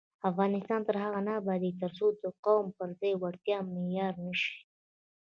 افغانستان تر هغو نه ابادیږي، ترڅو د قوم پر ځای وړتیا معیار نشي.